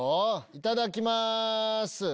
いただきます。